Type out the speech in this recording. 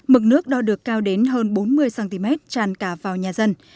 mực nước đo được cao đến hơn bốn mươi cm tràn cả vào nhà dân